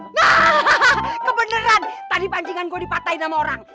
hahahaha kebeneran tadi pancingan gue dipatahin sama orang